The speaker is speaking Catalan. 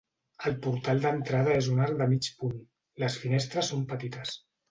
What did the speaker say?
El portal d'entrada és un arc de mig punt, les finestres són petites.